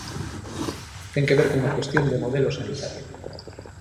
Ten que ver cunha cuestión de modelo sanitario.